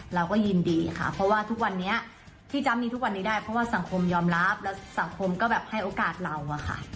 เราก็ยินดีค่ะเพราะว่าทุกวันนี้ที่จ๊ะมีทุกวันนี้ได้เพราะว่าสังคมยอมรับแล้วสังคมก็แบบให้โอกาสเราอะค่ะ